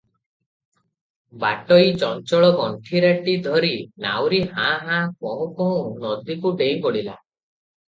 ବାଟୋଇ ଚଞ୍ଚଳ ଗଣ୍ଠିରାଟି ଧରି, ନାଉରୀ ହାଁ ହାଁ କହୁଁ କହୁଁ ନଦୀକୁ ଡେଇଁ ପଡିଲା ।